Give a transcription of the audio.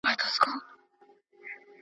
که ملت غافل وي نو حکومت پرې کیږي.